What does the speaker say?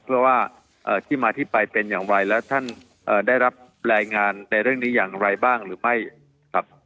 เพื่อว่าที่มาที่ไปเป็นอย่างไรแล้วท่านได้รับรายงานในเรื่องนี้อย่างไรบ้างหรือไม่ครับ